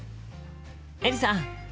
エリさん！